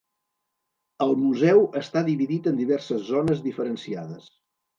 El Museu està dividit en diverses zones diferenciades.